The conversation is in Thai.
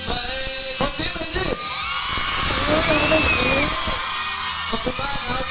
อย่ารู้สึกอะไรนะอย่ารู้สึกอะไรนะ